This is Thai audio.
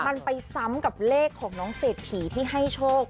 มันไปซ้ำกับเลขของน้องเศรษฐีที่ให้โชค